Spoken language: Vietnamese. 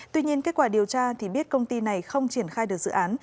tuy nhiên kết quả điều tra thì biết công ty này không triển khai được dự án